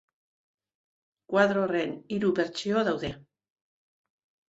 Koadro horren hiru bertsio daude.